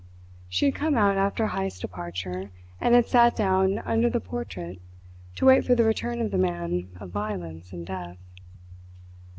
She had come out after Heyst's departure, and had sat down under the portrait to wait for the return of the man of violence and death.